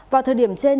vào thời điểm trên